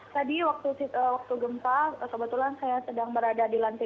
tadi waktu gempa kebetulan saya sedang berada di lantai tiga